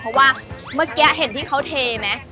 เพราะว่าเมื่อกี้เห็นที่เขาเทไหม